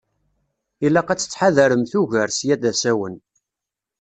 Ilaq ad tettḥadaremt ugar, ssya d asawen.